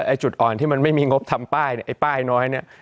จุดอ่อนที่มันไม่มีงบทำป้ายเนี่ยไอ้ป้ายน้อยเนี่ย